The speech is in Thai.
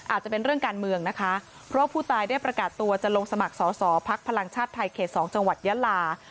อาจจะเป็นเรื่องการเมืองนะคะเพราะผู้ตายได้ประกาศตัวจะลงสมัครสอสอภักดิ์พลังชาติไทยเขต๒จังหวัดยาลา